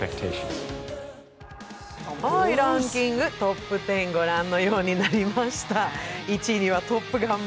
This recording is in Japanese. ランキングトップ１０御覧のようになりました。